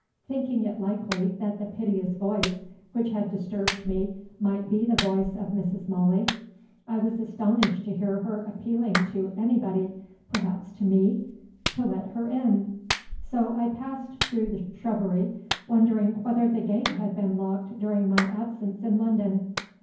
Thinking it likely that the piteous voice which had disturbed me might be the voice of Mrs. Molly, I was astonished to hear her appealing to anybody (perhaps to me?) to "let her in." So I passed through the shrubbery, wondering whether the gate had been locked during my absence in London.